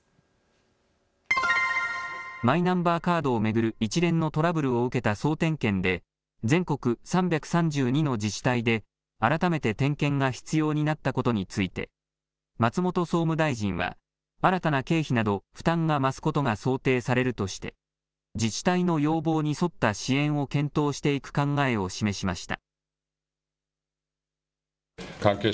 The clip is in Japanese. マイナンバーカードを巡る一連のトラブルを受けた総点検で全国３３２の自治体で改めて点検が必要になったことについて松本総務大臣は新たな経費など負担が増すことが想定されるとして自治体の要望に沿った支援を検討していく考えを示しました。